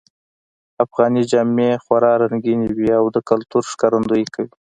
افغانۍ جامې خورا رنګینی وی او د کلتور ښکارندویې کوی